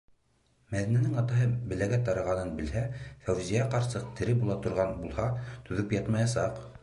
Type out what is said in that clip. Мәҙинәнең атаһы бәләгә тарығанын белһә, Фәүзиә ҡарсыҡ, тере була торған булһа, түҙеп ятмаясаҡ.